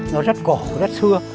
nó rất cổ rất xưa